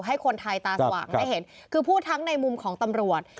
ให้คนไทยตาสว่างได้เห็นคือพูดทั้งในมุมของตำรวจ